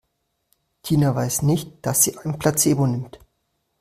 Tina weiß nicht, dass sie ein Placebo nimmt.